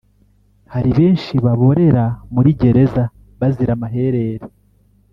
hari benshi baborera muri gereza bazira amaherere